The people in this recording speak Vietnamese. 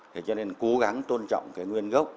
thế cho nên cố gắng tôn trọng cái nguyên gốc